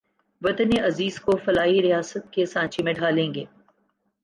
وطن عزیز کو فلاحی ریاست کے سانچے میں ڈھالیں گے